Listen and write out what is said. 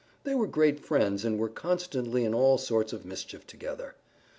They were great friends and were constantly in all sorts of mischief together.